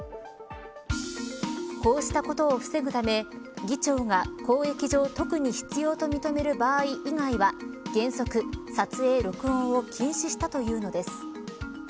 こうしたことを防ぐため、議長が公益上特に必要と認める場合以外は原則、撮影、録音を禁止したというのです。